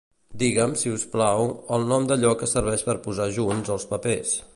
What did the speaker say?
Digue'm, si us plau, el nom d'allò que serveix per posar junts els papers.